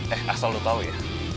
eh asal lu tau ya